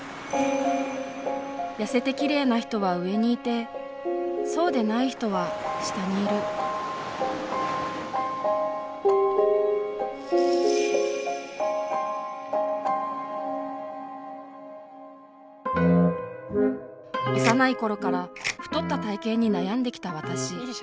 痩せてきれいな人は上にいてそうでない人は下にいる幼い頃から太った体型に悩んできた私。